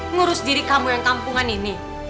ngurus diri kamu yang kampungan ini